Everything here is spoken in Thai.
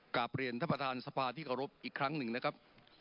กลับเรียนท่านประธานสภาที่เคารพอีกครั้งหนึ่งนะครับ